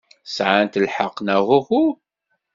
Sɛant lḥeqq, neɣ uhu?